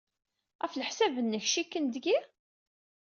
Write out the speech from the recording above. Ɣef leḥsab-nnek, cikken deg-i?